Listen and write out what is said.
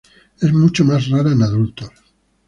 Es mucho más rara en adultos.